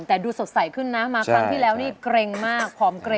แต่ดูสดใสขึ้นนะมาครั้งที่แล้วนี่เกร็งมากผอมเกร็ง